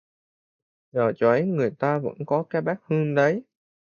giờ chỗ ấy người ta vẫn có cái bát hương đấy